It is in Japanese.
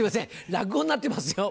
落語になってますよ。